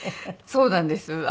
そうなんです。